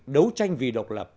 đấu tranh vì độc lập